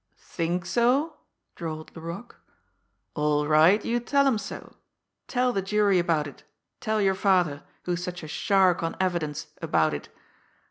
"Think so?" drawled Laroque. "All right, you tell 'em so tell the jury about it, tell your father, who is such a shark on evidence, about it.